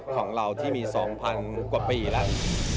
ของเราที่มี๒๐๐๐กว่าปีแล้ว